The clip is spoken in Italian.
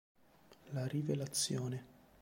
La rivelazione